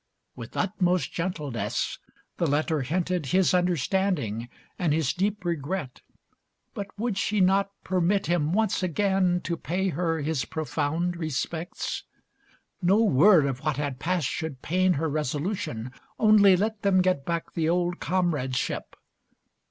With utmost gentleness, the letter hinted His understanding and his deep regret. But would she not permit him once again To pay her his profound respects? No word Of what had passed should pain Her resolution. Only let them get Back the old comradeship.